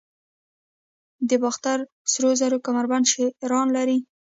د باختر سرو زرو کمربند شیران لري